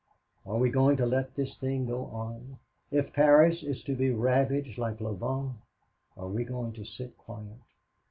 Are we going to let this thing go on? If Paris is to be ravished like Louvain, are we going to sit quiet?"